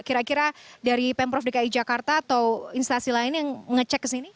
kira kira dari pemprov dki jakarta atau instasi lain yang ngecek kesini